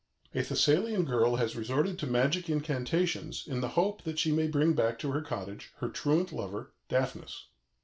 A Thessalian girl has resorted to magic incantations in the hope that she may bring back to her cottage her truant lover Daphnis.